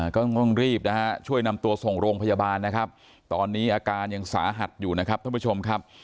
ก็ต้องรีบนะฮะช่วยนำตัวส่งโรงพยาบาลนะครับตอนนี้อาการยังสาหัสอยู่นะครับท่านผู้ชมครับ